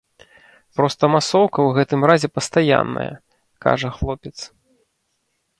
Проста масоўка ў гэтым разе пастаянная, кажа хлопец.